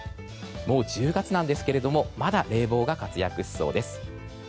もう１０月なんですがまだ冷房が活躍しそうです。